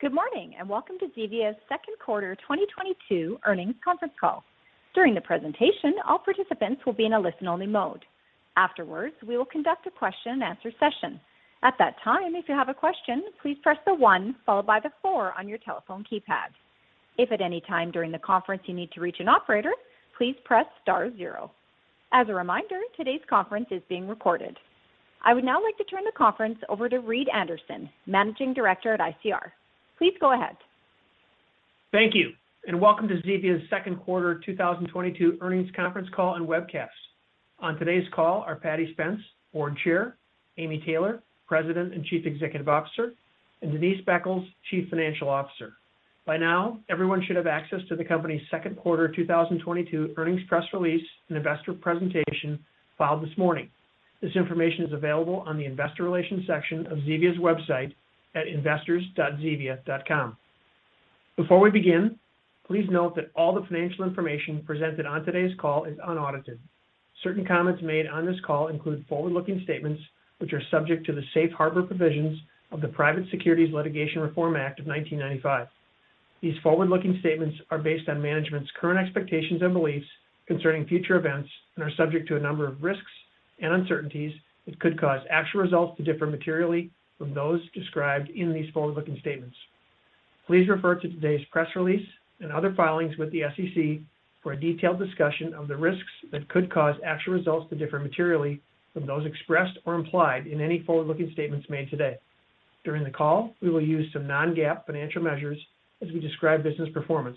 Good morning, and welcome to Zevia's Second Quarter 2022 Earnings Conference Call. During the presentation, all participants will be in a listen-only mode. Afterwards, we will conduct a question and answer session. At that time, if you have a question, please press the one followed by the four on your telephone keypad. If at any time during the conference you need to reach an operator, please press star zero. As a reminder, today's conference is being recorded. I would now like to turn the conference over to Reed Anderson, Managing Director at ICR. Please go ahead. Thank you and welcome to Zevia's Second Quarter 2022 Earnings Conference Call and Webcast. On today's call are Paddy Spence, Board Chair, Amy Taylor, President and Chief Executive Officer, and Denise Beckles, Chief Financial Officer. By now, everyone should have access to the company's Second Quarter 2022 Earnings Press Release and investor presentation filed this morning. This information is available on the Investor Relations section of Zevia's website at investors.zevia.com. Before we begin, please note that all the financial information presented on today's call is unaudited. Certain comments made on this call include forward-looking statements, which are subject to the safe harbor provisions of the Private Securities Litigation Reform Act of 1995. These forward-looking statements are based on management's current expectations and beliefs concerning future events and are subject to a number of risks and uncertainties which could cause actual results to differ materially from those described in these forward-looking statements. Please refer to today's press release and other filings with the SEC for a detailed discussion of the risks that could cause actual results to differ materially from those expressed or implied in any forward-looking statements made today. During the call, we will use some non-GAAP financial measures as we describe business performance.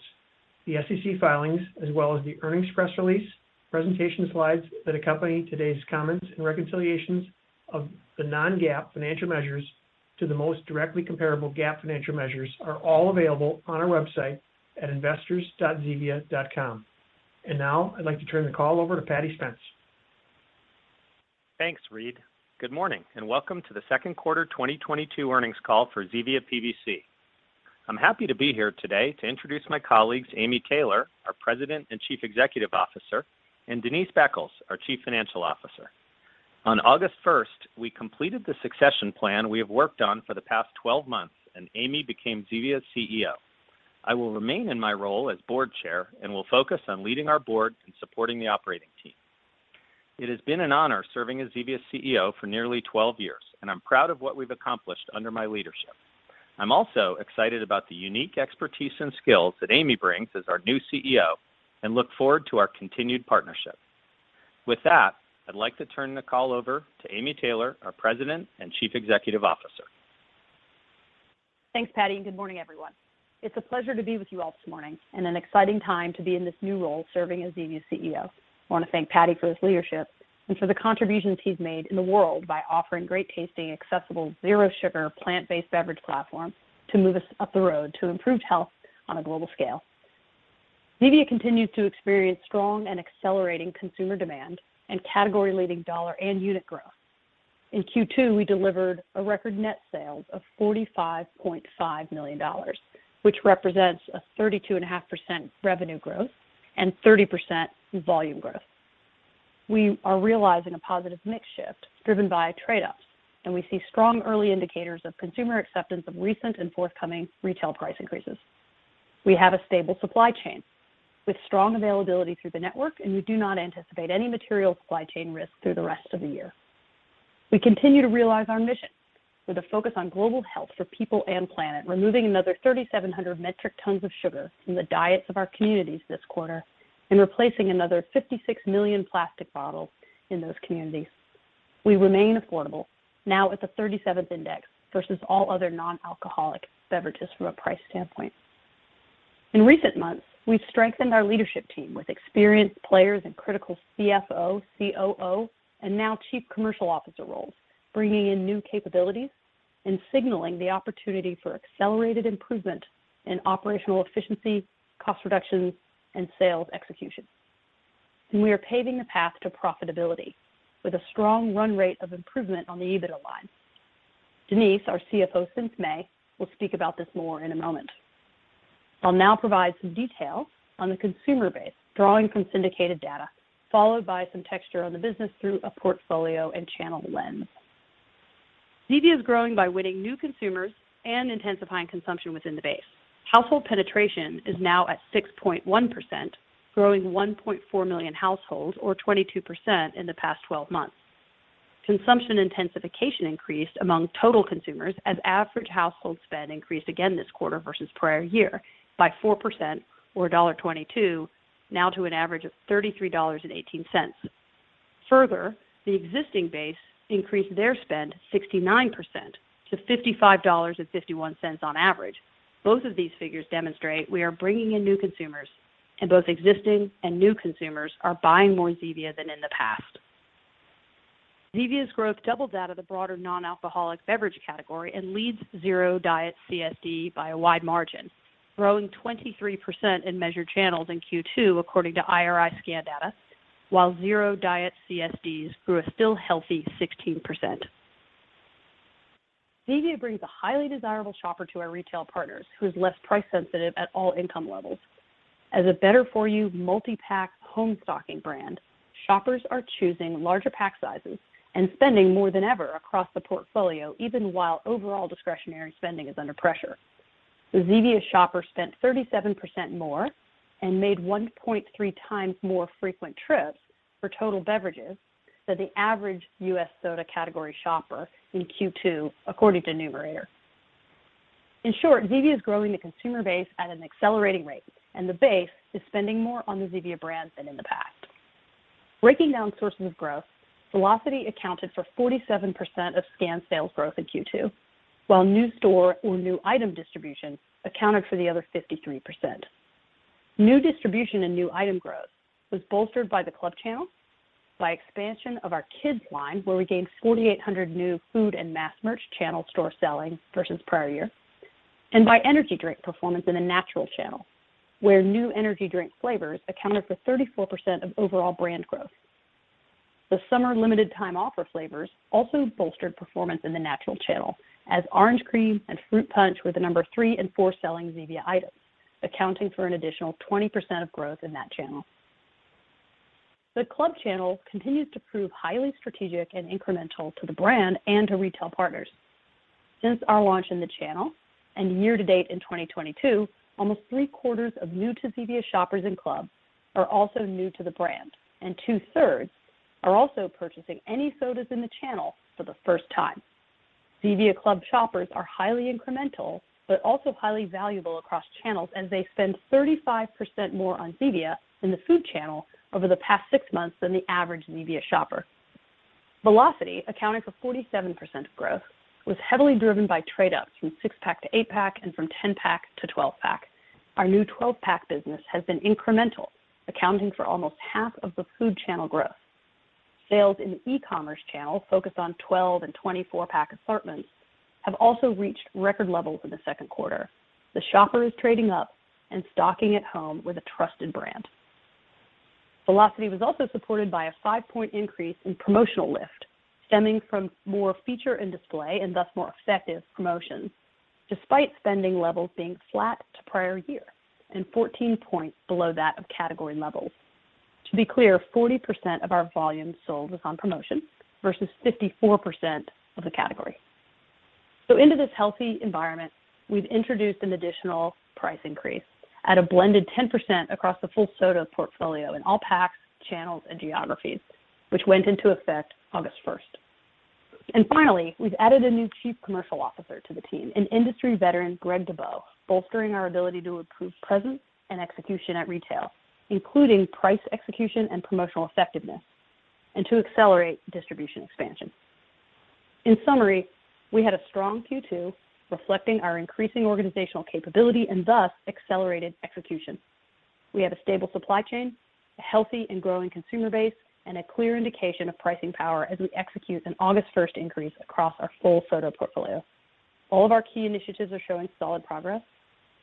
The SEC filings as well as the earnings press release, presentation slides that accompany today's comments, and reconciliations of the non-GAAP financial measures to the most directly comparable GAAP financial measures are all available on our website at investors.zevia.com. Now I'd like to turn the call over to Paddy Spence. Thanks, Reed. Good morning and welcome to the Second Quarter 2022 Earnings Call for Zevia PBC. I'm happy to be here today to introduce my colleagues Amy Taylor, our President and Chief Executive Officer, and Denise Beckles, our Chief Financial Officer. On August 1, we completed the succession plan we have worked on for the past 12 months, and Amy became Zevia's CEO. I will remain in my role as Board Chair and will focus on leading our board and supporting the operating team. It has been an honor serving as Zevia's CEO for nearly 12 years, and I'm proud of what we've accomplished under my leadership. I'm also excited about the unique expertise and skills that Amy brings as our new CEO and look forward to our continued partnership. With that, I'd like to turn the call over to Amy Taylor, our President and Chief Executive Officer. Thanks, Paddy, and good morning, everyone. It's a pleasure to be with you all this morning and an exciting time to be in this new role serving as Zevia's CEO. I want to thank Paddy for his leadership and for the contributions he's made in the world by offering great tasting, accessible, zero sugar, plant-based beverage platform to move us up the road to improved health on a global scale. Zevia continues to experience strong and accelerating consumer demand and category-leading dollar and unit growth. In Q2, we delivered a record net sales of $45.5 million, which represents a 32.5% revenue growth and 30% volume growth. We are realizing a positive mix shift driven by trade-ups, and we see strong early indicators of consumer acceptance of recent and forthcoming retail price increases. We have a stable supply chain with strong availability through the network, and we do not anticipate any material supply chain risks through the rest of the year. We continue to realize our mission with a focus on global health for people and planet, removing another 3,700 metric tons of sugar from the diets of our communities this quarter and replacing another 56 million plastic bottles in those communities. We remain affordable now at the 37th index versus all other non-alcoholic beverages from a price standpoint. In recent months, we've strengthened our leadership team with experienced players in critical CFO, COO, and now Chief Commercial Officer roles, bringing in new capabilities and signaling the opportunity for accelerated improvement in operational efficiency, cost reductions, and sales execution. We are paving the path to profitability with a strong run rate of improvement on the EBITDA line. Denise, our CFO since May, will speak about this more in a moment. I'll now provide some details on the consumer base, drawing from syndicated data, followed by some texture on the business through a portfolio and channel lens. Zevia is growing by winning new consumers and intensifying consumption within the base. Household penetration is now at 6.1%, growing 1.4 million households or 22% in the past 12 months. Consumption intensification increased among total consumers as average household spend increased again this quarter versus prior year by 4% or $22, now to an average of $33.18. Further, the existing base increased their spend 69% to $55.51 on average. Both of these figures demonstrate we are bringing in new consumers, and both existing and new consumers are buying more Zevia than in the past. Zevia's growth doubled that of the broader Non-Alcoholic Beverage category and leads zero-diet CSD by a wide margin, growing 23% in measured channels in Q2 according to IRI scan data, while zero-diet CSDs grew a still healthy 16%. Zevia brings a highly desirable shopper to our retail partners who is less price sensitive at all income levels. As a better for you multi-pack home stocking brand, shoppers are choosing larger pack sizes and spending more than ever across the portfolio, even while overall discretionary spending is under pressure. The Zevia shopper spent 37% more and made 1.3 times more frequent trips for total beverages than the average U.S. soda category shopper in Q2 according to Numerator. In short, Zevia is growing the consumer base at an accelerating rate, and the base is spending more on the Zevia brand than in the past. Breaking down sources of growth, velocity accounted for 47% of scanned sales growth in Q2, while new store or new item distribution accounted for the other 53%. New distribution and new item growth was bolstered by the club channel by expansion of our kids line, where we gained 4,800 new food and mass merch channel stores selling versus prior year, and by energy drink performance in the natural channel, where new energy drink flavors accounted for 34% of overall brand growth. The summer limited time offer flavors also bolstered performance in the natural channel as Orange Creamsicle and Fruit Punch were the number three and four selling Zevia items, accounting for an additional 20% of growth in that channel. The club channel continues to prove highly strategic and incremental to the brand and to retail partners. Since our launch in the channel and year to date in 2022, almost three-quarters of new to Zevia shoppers in club are also new to the brand, and two-thirds are also purchasing any sodas in the channel for the first time. Zevia club shoppers are highly incremental but also highly valuable across channels as they spend 35% more on Zevia in the food channel over the past six months than the average Zevia shopper. Velocity, accounting for 47% of growth, was heavily driven by trade ups from six-pack to eight-pack and from ten-pack to twelve-pack. Our new twelve-pack business has been incremental, accounting for almost half of the food channel growth. Sales in the e-commerce channel focused on 12 and 24 pack assortments have also reached record levels in the second quarter. The shopper is trading up and stocking at home with a trusted brand. Velocity was also supported by a 5-point increase in promotional lift, stemming from more feature and display and thus more effective promotions despite spending levels being flat to prior year and 14 points below that of category levels. To be clear, 40% of our volume sold was on promotion versus 54% of the category. Into this healthy environment, we've introduced an additional price increase at a blended 10% across the full soda portfolio in all packs, channels, and geographies, which went into effect August 1. Finally, we've added a new Chief Commercial Officer to the team, an industry veteran, Fredo Guarino, bolstering our ability to improve presence and execution at retail, including price execution and promotional effectiveness, and to accelerate distribution expansion. In summary, we had a strong Q2 reflecting our increasing organizational capability and thus accelerated execution. We have a stable supply chain, a healthy and growing consumer base, and a clear indication of pricing power as we execute an August 1 increase across our full soda portfolio. All of our key initiatives are showing solid progress,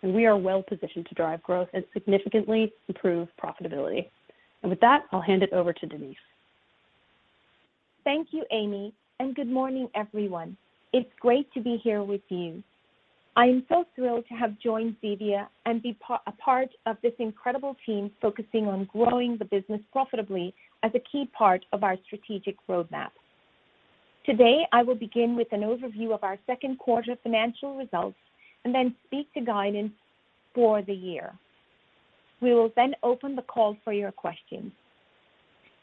and we are well positioned to drive growth and significantly improve profitability. With that, I'll hand it over to Denise. Thank you, Amy, and good morning, everyone. It's great to be here with you. I am so thrilled to have joined Zevia and be part of this incredible team focusing on growing the business profitably as a key part of our strategic roadmap. Today, I will begin with an overview of our second quarter financial results and then speak to guidance for the year. We will then open the call for your questions.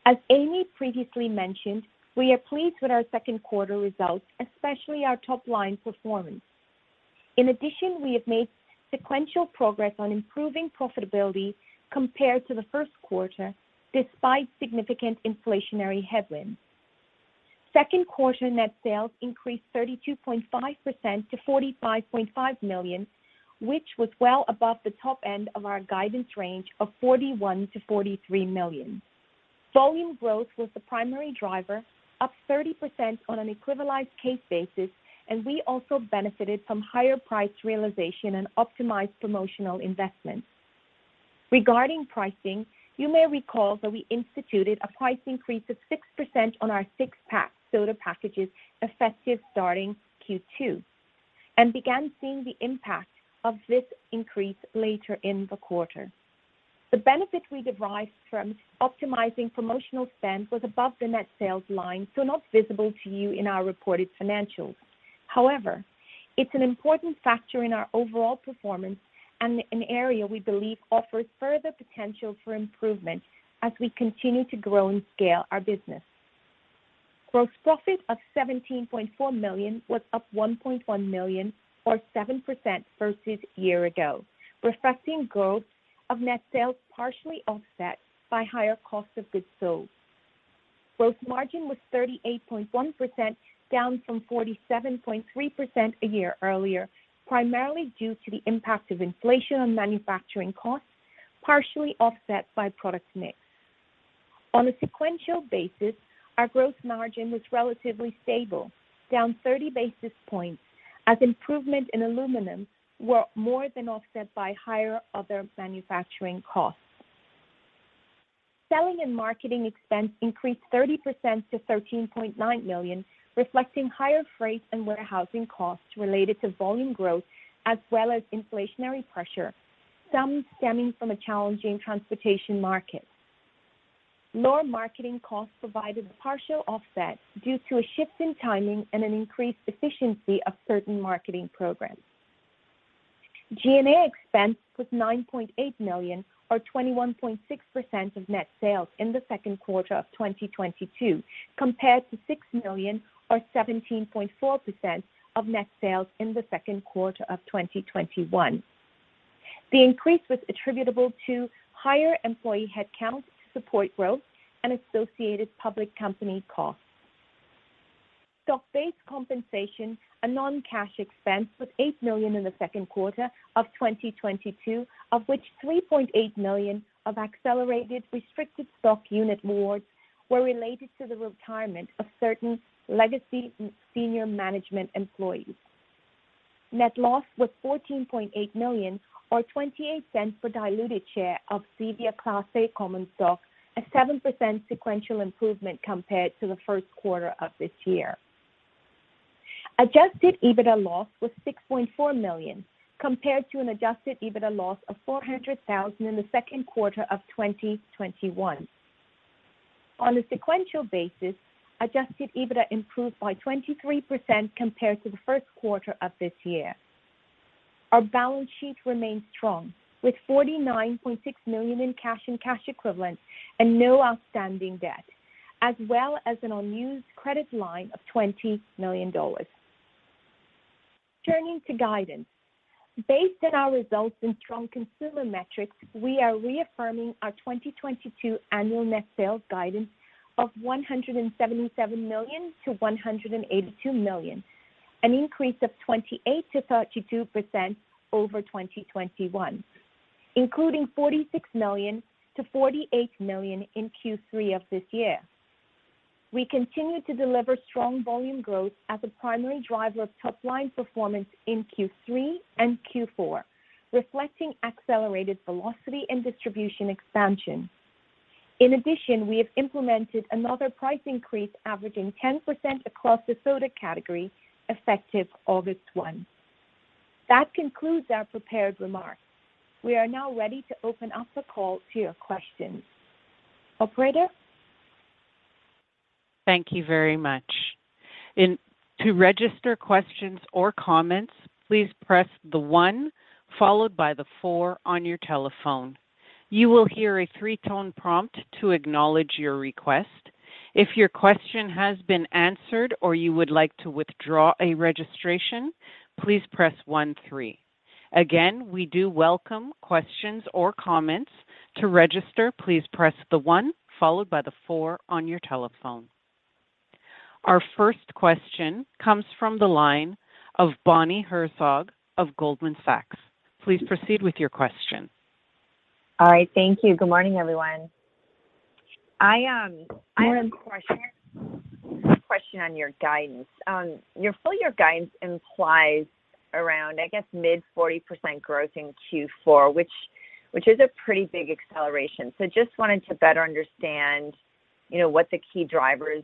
As Amy previously mentioned, we are pleased with our second quarter results, especially our top line performance. In addition, we have made sequential progress on improving profitability compared to the first quarter despite significant inflationary headwinds. Second quarter net sales increased 32.5% to $45.5 million, which was well above the top end of our guidance range of $41 million-$43 million. Volume growth was the primary driver, up 30% on an equivalized case basis, and we also benefited from higher price realization and optimized promotional investments. Regarding pricing, you may recall that we instituted a price increase of 6% on our six-pack soda packages effective starting Q2 and began seeing the impact of this increase later in the quarter. The benefit we derived from optimizing promotional spend was above the net sales line, so not visible to you in our reported financials. However, it's an important factor in our overall performance and an area we believe offers further potential for improvement as we continue to grow and scale our business. Gross profit of $17.4 million was up $1.1 million or 7% versus year ago, reflecting growth of net sales partially offset by higher cost of goods sold. Gross margin was 38.1%, down from 47.3% a year earlier, primarily due to the impact of inflation on manufacturing costs, partially offset by product mix. On a sequential basis, our gross margin was relatively stable, down 30 basis points as improvement in Aluminum were more than offset by higher other manufacturing costs. Selling and marketing expense increased 30% to $13.9 million, reflecting higher freight and warehousing costs related to volume growth as well as inflationary pressure, some stemming from a challenging transportation market. Lower marketing costs provided partial offset due to a shift in timing and an increased efficiency of certain Marketing Programs. G&A expense was $9.8 million, or 21.6% of net sales in the second quarter of 2022, compared to $6 million or 17.4% of net sales in the second quarter of 2021. The increase was attributable to higher employee headcount to support growth and associated public company costs. Stock-based compensation, a non-cash expense, was $8 million in the second quarter of 2022, of which $3.8 million of accelerated restricted stock unit awards were related to the retirement of certain legacy senior management employees. Net loss was $14.8 million, or $0.28 per diluted share of Zevia Class A common stock, a 7% sequential improvement compared to the first quarter of this year. Adjusted EBITDA loss was $6.4 million, compared to an adjusted EBITDA loss of $400,000 in the second quarter of 2021. On a sequential basis, adjusted EBITDA improved by 23% compared to the first quarter of this year. Our balance sheet remains strong with $49.6 million in cash and cash equivalents and no outstanding debt, as well as an unused Credit Line of $20 million. Turning to guidance. Based on our results and strong consumer metrics, we are reaffirming our 2022 annual net sales guidance of $177 million-$182 million, an increase of 28%-32% over 2021, including $46 million-$48 million in Q3 of this year. We continue to deliver strong volume growth as a primary driver of Top-Line performance in Q3 and Q4, reflecting accelerated velocity and distribution expansion. In addition, we have implemented another price increase averaging 10% across the soda category effective August 1. That concludes our prepared remarks. We are now ready to open up the call to your questions. Operator? Thank you very much. To register questions or comments, please press one followed by four on your telephone. You will hear a three-tone prompt to acknowledge your request. If your question has been answered or you would like to withdraw a registration, please press one, three. Again, we do welcome questions or comments. To register, please press one followed by four on your telephone. Our first question comes from the line of Bonnie Herzog of Goldman Sachs. Please proceed with your question. All right. Thank you. Good morning, everyone. I have a question on your guidance. Your Full Year Guidance implies around, I guess, mid-40% growth in Q4, which is a pretty big acceleration. Just wanted to better understand, you know, what the key drivers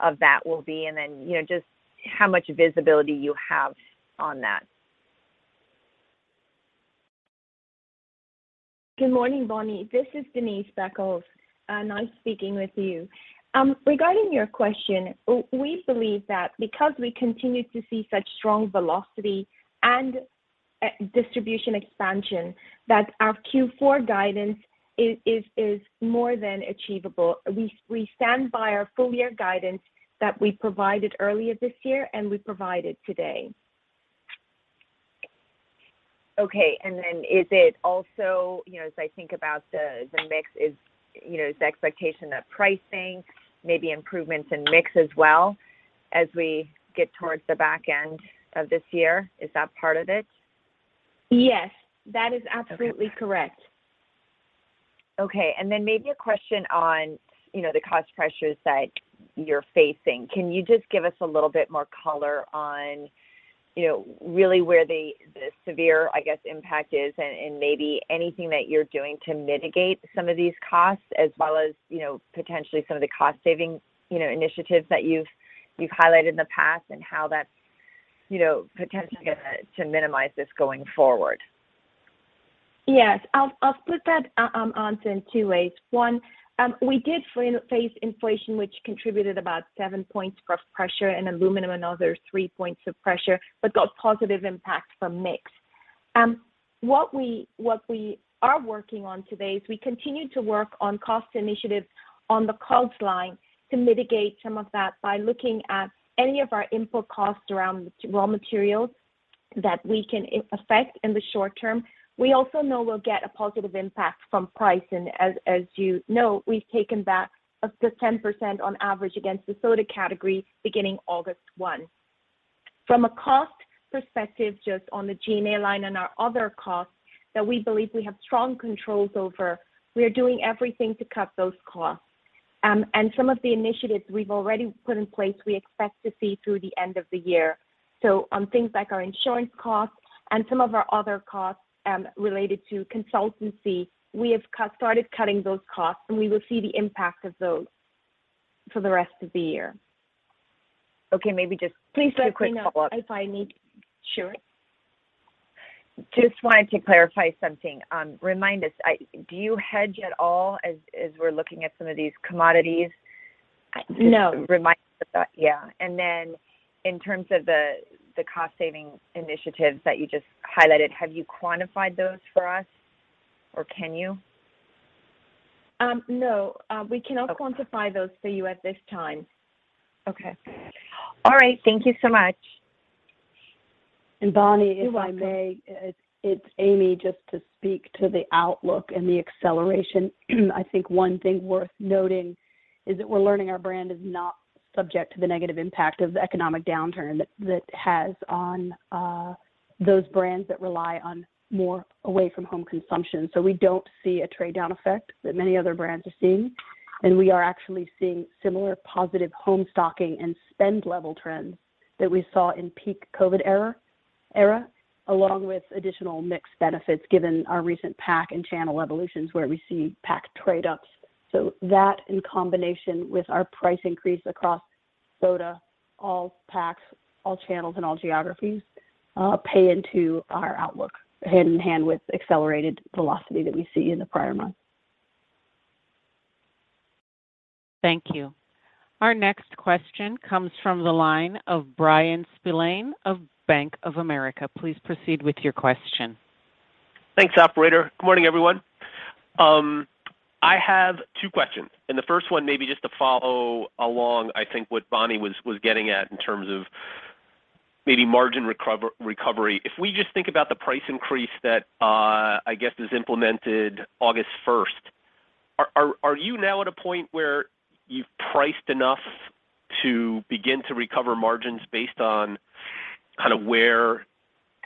of that will be and then, you know, just how much visibility you have on that. Good morning, Bonnie. This is Denise Beckles. Nice speaking with you. Regarding your question, we believe that because we continue to see such strong velocity and distribution expansion, that our Q4 guidance is more than achievable. We stand by our Full Year Guidance that we provided earlier this year and we provided today. Okay. Is it also, you know, as I think about the mix is, you know, is the expectation that pricing, maybe improvements in mix as well as we get towards the back end of this year, is that part of it? Yes. That is absolutely correct. Okay. Maybe a question on, you know, the cost pressures that you're facing. Can you just give us a little bit more color on, you know, really where the severe, I guess, impact is and maybe anything that you're doing to mitigate some of these costs as well as, you know, potentially some of the cost saving, you know, initiatives that you've highlighted in the past and how that's, you know, potentially going to minimize this going forward? Yes. I'll split that answer in two ways. One, we did face inflation, which contributed about 7 points of pressure in aluminum, another 3 points of pressure, but got positive impact from mix. What we are working on today is we continue to work on cost initiatives on the COGS line to mitigate some of that by looking at any of our input costs around our raw materials that we can affect in the short term. We also know we'll get a positive impact from pricing. As you know, we've taken back up to 10% on average against the soda category beginning August 1. From a cost perspective, just on the G&A line and our other costs that we believe we have strong controls over, we are doing everything to cut those costs. Some of the initiatives we've already put in place, we expect to see through the end of the year. On things like our insurance costs and some of our other costs, related to consultancy, we have started cutting those costs, and we will see the impact of those for the rest of the year. Okay. Maybe just a quick follow-up. Please let me know if I need. Sure. Just wanted to clarify something. Remind us, do you hedge at all as we're looking at some of these commodities? No. Just remind us of that. Yeah. In terms of the cost saving initiatives that you just highlighted, have you quantified those for us, or can you? No. Okay. We cannot quantify those for you at this time. Okay. All right. Thank you so much. Bonnie, if I may. You're welcome. It's Amy. Just to speak to the outlook and the acceleration. I think one thing worth noting is that we're learning our brand is not subject to the negative impact of the economic downturn that has on those brands that rely on more away from home consumption. We don't see a trade down effect that many other brands are seeing, and we are actually seeing similar positive home stocking and spend level trends that we saw in peak COVID era, along with additional mix benefits given our recent pack and channel evolutions where we see pack trade ups. That in combination with our price increase across soda, all packs, all channels and all geographies, pay into our outlook hand in hand with accelerated velocity that we see in the prior months. Thank you. Our next question comes from the line of Bryan Spillane of Bank of America. Please proceed with your question. Thanks, operator. Good morning, everyone. I have two questions, and the first one maybe just to follow along. I think what Bonnie was getting at in terms of maybe margin recovery. If we just think about the price increase that I guess is implemented August first, are you now at a point where you've priced enough to begin to recover margins based on kind of where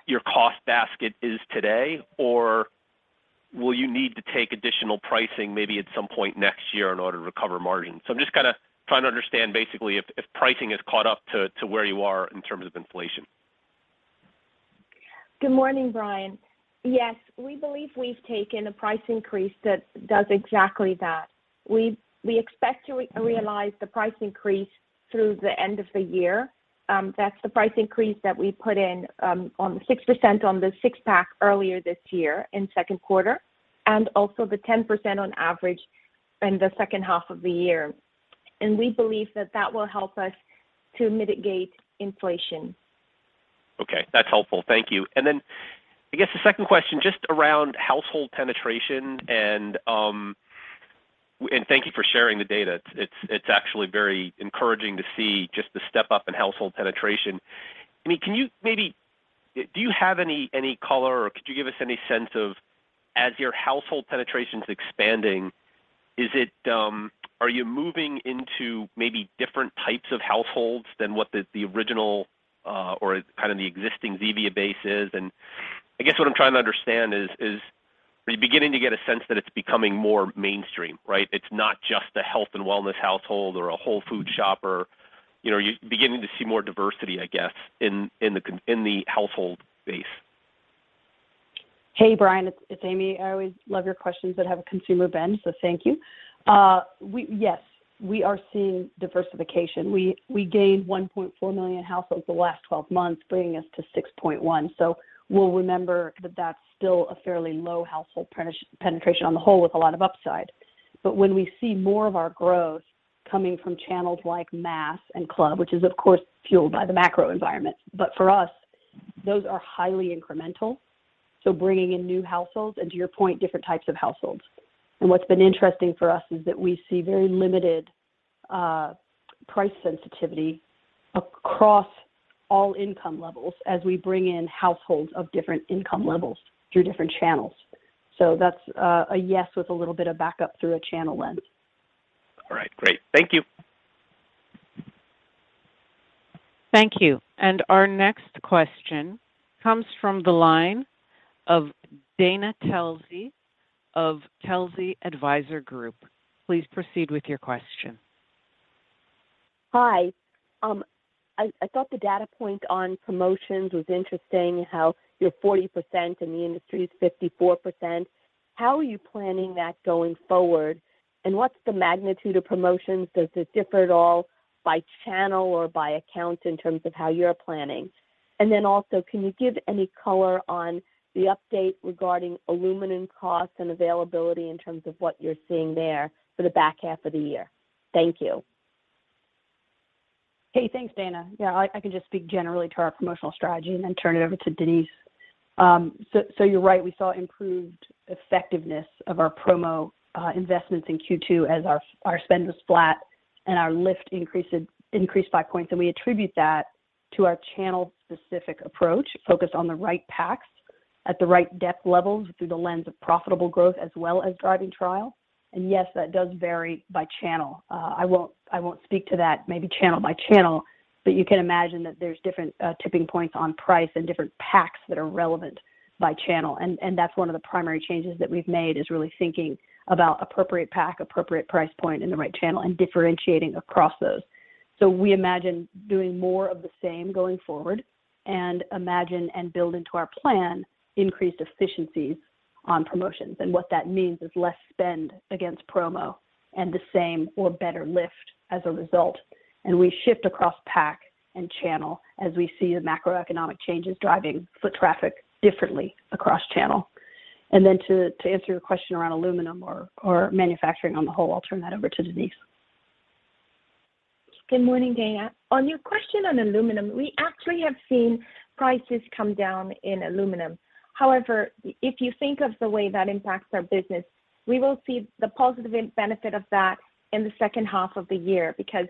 your cost basket is today? Or will you need to take additional pricing maybe at some point next year in order to recover margins? I'm just kinda trying to understand basically if pricing has caught up to where you are in terms of inflation. Good morning, Bryan. Yes, we believe we've taken a price increase that does exactly that. We expect to realize the price increase through the end of the year. That's the price increase that we put in on the 6% on the six-pack earlier this year in second quarter, and also the 10% on average in the H2 of the Year. We believe that that will help us to mitigate inflation. Okay. That's helpful. Thank you. I guess the second question just around household penetration and thank you for sharing the data. It's actually very encouraging to see just the step up in household penetration. I mean, can you maybe. Do you have any color, or could you give us any sense of, as your household penetration's expanding, is it, are you moving into maybe different types of households than what the original, or kind of the existing Zevia base is? I guess what I'm trying to understand is, are you beginning to get a sense that it's becoming more mainstream, right? It's not just a health and wellness household or a Whole Foods shopper. You know, are you beginning to see more diversity, I guess, in the household base? Hey, Bryan, it's Amy. I always love your questions that have a consumer bend, so thank you. Yes, we are seeing diversification. We gained 1.4 million households the last 12 months, bringing us to 6.1. So we'll remember that that's still a fairly low household penetration on the whole with a lot of upside. But when we see more of our growth coming from channels like mass and club, which is of course fueled by the macro environment, but for us, those are highly incremental, so bringing in new households, and to your point, different types of households. What's been interesting for us is that we see very limited price sensitivity across all income levels as we bring in households of different income levels through different channels. That's a yes with a little bit of backup through a channel lens. All right. Great. Thank you. Thank you. Our next question comes from the line of Dana Telsey of Telsey Advisory Group. Please proceed with your question. Hi. I thought the data point on promotions was interesting, how you're 40% and the industry is 54%. How are you planning that going forward, and what's the magnitude of promotions? Does it differ at all by channel or by account in terms of how you're planning? Also, can you give any color on the update regarding aluminum costs and availability in terms of what you're seeing there for the Back Half of the Year? Thank you. Hey, thanks, Dana. Yeah, I can just speak generally to our promotional strategy and then turn it over to Denise. So you're right, we saw improved effectiveness of our promo investments in Q2 as our spend was flat and our lift increased by points, and we attribute that to our channel-specific approach focused on the right packs at the right depth levels through the lens of profitable growth as well as driving trial. Yes, that does vary by channel. I won't speak to that maybe channel by channel, but you can imagine that there's different tipping points on price and different packs that are relevant by channel. That's one of the primary changes that we've made is really thinking about appropriate pack, appropriate price point in the right channel and differentiating across those. We imagine doing more of the same going forward and imagine and build into our plan increased efficiencies on promotions. What that means is less spend against promo and the same or better lift as a result. We shift across pack and channel as we see the macroeconomic changes driving foot traffic differently across channel. Then to answer your question around aluminum or manufacturing on the whole, I'll turn that over to Denise. Good morning, Dana. On your question on aluminum, we actually have seen prices come down in aluminum. However, if you think of the way that impacts our business, we will see the positive benefit of that in the H2 of the year because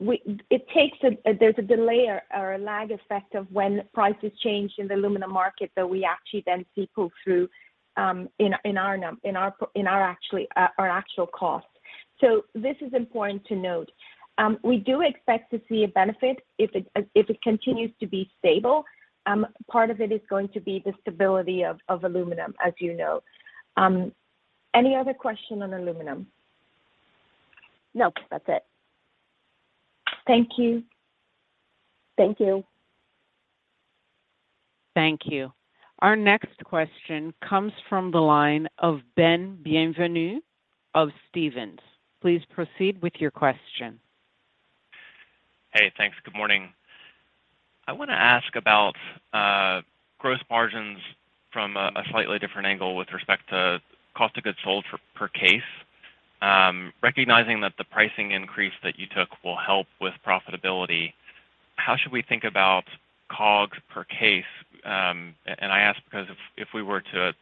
there's a delay or a lag effect of when prices change in the Aluminum market that we actually then see pull through in our actual costs. So this is important to note. We do expect to see a benefit if it continues to be stable. Part of it is going to be the stability of aluminum, as you know. Any other question on aluminum? No, that's it. Thank you. Thank you. Thank you. Our next question comes from the line of Ben Bienvenu of Stephens. Please proceed with your question. Hey, thanks. Good morning. I wanna ask about Gross Margins from a slightly different angle with respect to cost of goods sold per case. Recognizing that the pricing increase that you took will help with profitability, how should we think about COGS per case? I ask because if we were to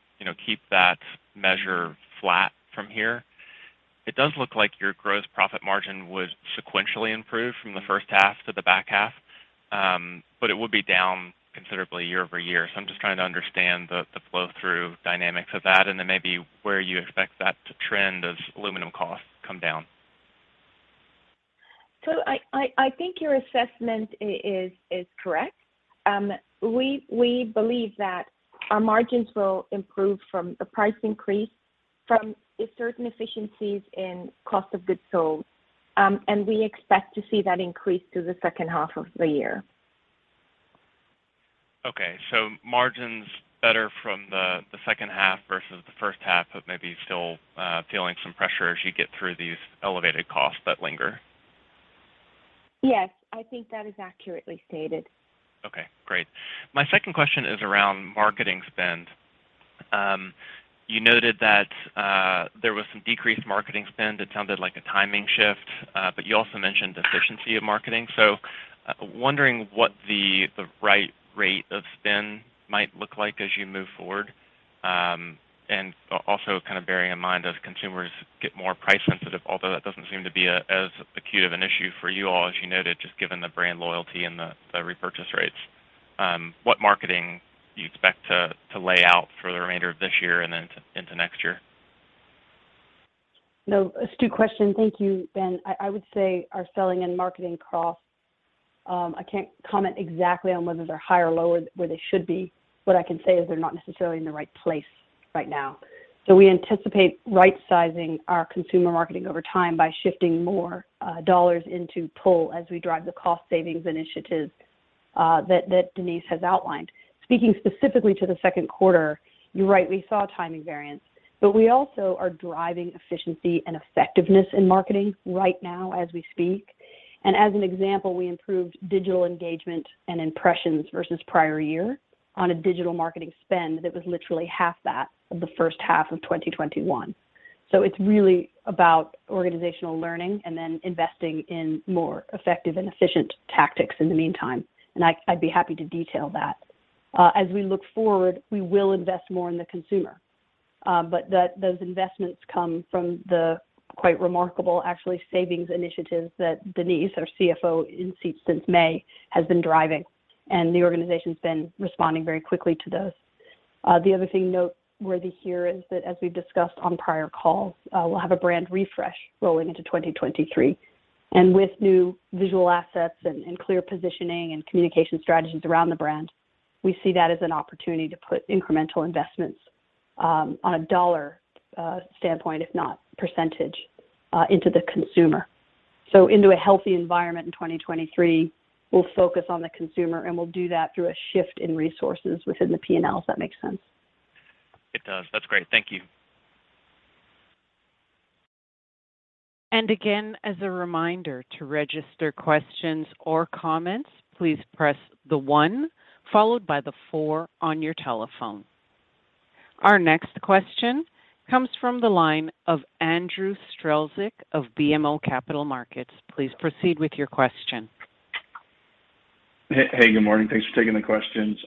keep that measure flat from here, it does look like your gross profit margin would sequentially improve from the H1 to the back half. It would be down considerably year-over-year. I'm just trying to understand the flow through dynamics of that and then maybe where you expect that trend of aluminum costs come down. I think your assessment is correct. We believe that our margins will improve from the price increase from certain efficiencies in cost of goods sold. We expect to see that increase through the H2 of the year. Okay. Margins better from the H2 versus the H1, but maybe still feeling some pressure as you get through these elevated costs that linger. Yes. I think that is accurately stated. Okay, great. My second question is around marketing spend. You noted that there was some decreased marketing spend. It sounded like a timing shift, but you also mentioned efficiency of marketing. Wondering what the right rate of spend might look like as you move forward. Also kind of bearing in mind as consumers get more price sensitive, although that doesn't seem to be as acute of an issue for you all as you noted, just given the brand loyalty and the repurchase rates, what marketing do you expect to lay out for the remainder of this year and then into next year? No, astute question. Thank you, Ben. I would say our selling and marketing costs. I can't comment exactly on whether they're higher or lower than where they should be. What I can say is they're not necessarily in the right place right now. We anticipate right sizing our consumer marketing over time by shifting more dollars into pull as we drive the cost savings initiatives that Denise has outlined. Speaking specifically to the second quarter, you're right, we saw timing variance, but we also are driving efficiency and effectiveness in marketing right now as we speak. As an example, we improved digital engagement and impressions versus prior year on a digital marketing spend that was literally half that of the H1 of 2021. It's really about organizational learning and then investing in more effective and efficient tactics in the meantime. I'd be happy to detail that. As we look forward, we will invest more in the consumer, but those investments come from the quite remarkable actually savings initiatives that Denise, our CFO in seat since May, has been driving, and the organization's been responding very quickly to those. The other thing noteworthy here is that as we've discussed on prior calls, we'll have a brand refresh rolling into 2023. With new visual assets and clear positioning and communication strategies around the brand, we see that as an opportunity to put incremental investments, on a dollar standpoint, if not percentage, into the consumer. Into a healthy environment in 2023, we'll focus on the consumer, and we'll do that through a shift in resources within the P&L, if that makes sense. It does. That's great. Thank you. Again, as a reminder, to register questions or comments, please press the one followed by the four on your telephone. Our next question comes from the line of Andrew Strelzik of BMO Capital Markets. Please proceed with your question. Hey, good morning. Thanks for taking the questions.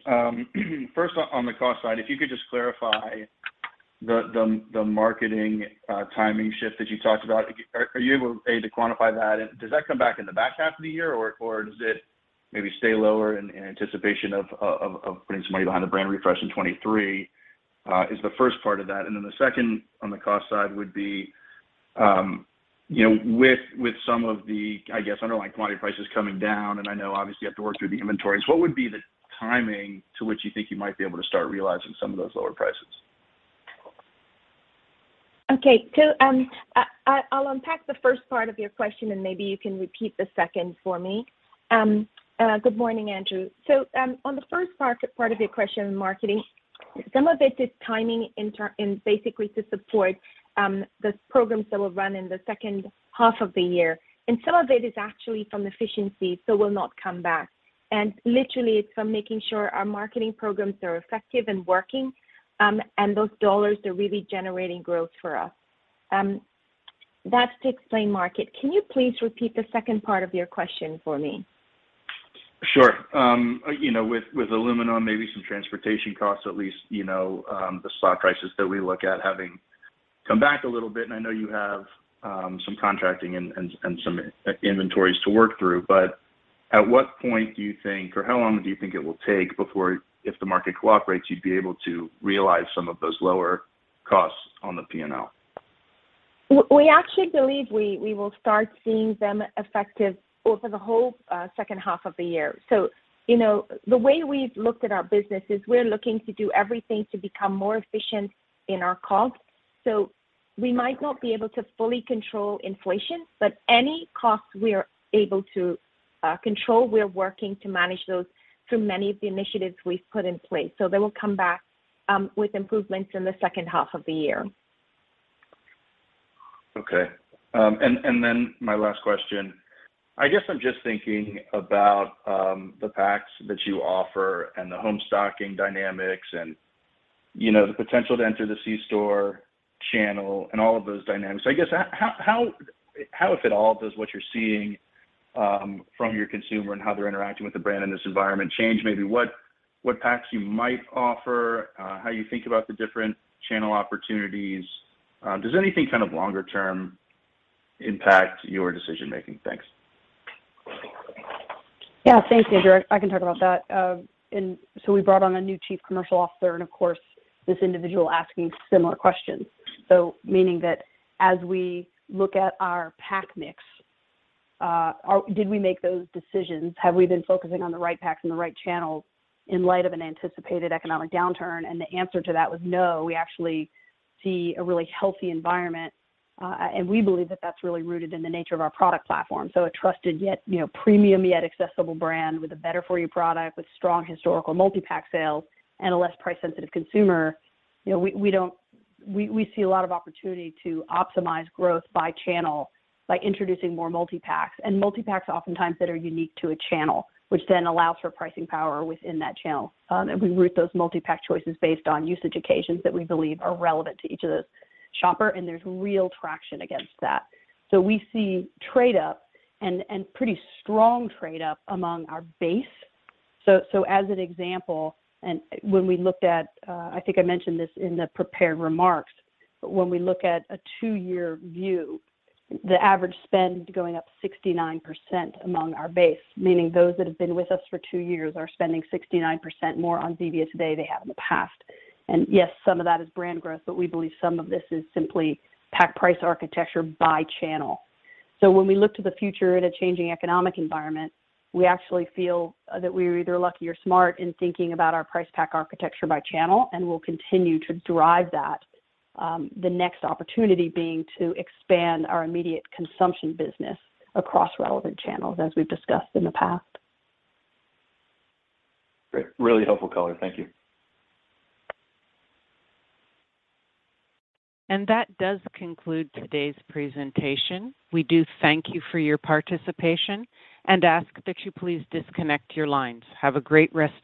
First on the cost side, if you could just clarify the marketing timing shift that you talked about. Are you able to quantify that? And does that come back in the back half of the year or does it maybe stay lower in anticipation of putting some money behind the brand refresh in 2023, is the first part of that. And then the second on the cost side would be, you know, with some of the, I guess, underlying commodity prices coming down, and I know obviously you have to work through the inventories, what would be the timing to which you think you might be able to start realizing some of those lower prices? Okay. I’ll unpack the first part of your question, and maybe you can repeat the second for me. Good morning, Andrew. On the first part of your question, marketing, some of it is timing, basically to support the programs that will run in the H2 of the year. Some of it is actually from efficiency, so will not come back. Literally it's from making sure our Marketing Programs are effective and working, and those dollars are really generating growth for us. That's to explain marketing. Can you please repeat the second part of your question for me? Sure. You know, with aluminum, maybe some transportation costs at least, you know, the spot prices that we look at having come back a little bit, and I know you have some contracting and some inventories to work through, but at what point do you think, or how long do you think it will take before, if the market cooperates, you'd be able to realize some of those lower costs on the P&L? We actually believe we will start seeing them effective over the whole H2 of the year. You know, the way we've looked at our business is we're looking to do everything to become more efficient in our costs. We might not be able to fully control inflation, but any costs we are able to control, we are working to manage those through many of the initiatives we've put in place, so they will come back with improvements in the H2 of the year. Okay. Then my last question, I guess I'm just thinking about the packs that you offer and the home stocking dynamics and, you know, the potential to enter the C-store channel and all of those dynamics. I guess how, if at all, does what you're seeing from your consumer and how they're interacting with the brand in this environment change maybe what packs you might offer, how you think about the different channel opportunities? Does anything kind of longer term impact your decision making? Thanks. Yeah. Thanks, Andrew Strelzik. I can talk about that. We brought on a new Chief Commercial Officer and of course, this individual asking similar questions. Meaning that as we look at our pack mix, Did we make those decisions? Have we been focusing on the right packs and the right channels in light of an anticipated economic downturn? The answer to that was no. We actually see a really healthy environment, and we believe that that's really rooted in the nature of our product platform. A trusted yet, you know, premium yet accessible brand with a better for you product with strong historical multi-pack sales and a less price sensitive consumer, you know, we don't... We see a lot of opportunity to optimize growth by channel by introducing more multi-packs oftentimes that are unique to a channel, which then allows for pricing power within that channel. We route those multi-pack choices based on usage occasions that we believe are relevant to each of those shoppers, and there's real traction against that. We see trade up and pretty strong trade up among our base. As an example, I think I mentioned this in the prepared remarks, but when we look at a two-year view, the average spend going up 69% among our base, meaning those that have been with us for two years are spending 69% more on Zevia today than they have in the past. Yes, some of that is brand growth, but we believe some of this is simply pack price architecture by channel. When we look to the future in a changing economic environment, we actually feel that we are either lucky or smart in thinking about our price pack architecture by channel, and we'll continue to drive that, the next opportunity being to expand our immediate consumption business across relevant channels as we've discussed in the past. Great. Really helpful color. Thank you. That does conclude today's presentation. We do thank you for your participation and ask that you please disconnect your lines. Have a great rest of